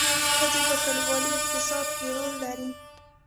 ښځې په کلیوالي اقتصاد کې رول لري